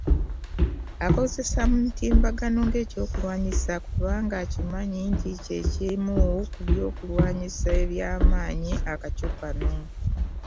Akozesa mutimbagano ng’ekyokulwanyisa kubanga akimanyi nti kye kimu ku by’okulwanyisa ebyamaanyi akaco kano.